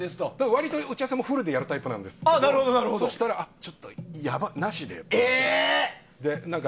割と打ち合わせもフルでやるタイプなんですけどちょっとなしでって。